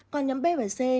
còn nhóm b và c